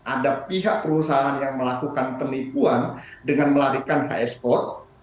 ada pihak perusahaan yang melakukan penipuan dengan melarikan ekspor